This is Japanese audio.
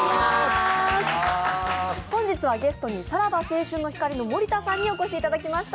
本日はゲストにさらば青春の光の森田さんにお越しいただきました。